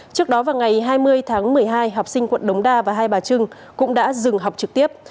trước đó vào ngày hai mươi tháng một mươi hai học sinh quận đống đa và hai bà trưng cũng đã dừng học trực tiếp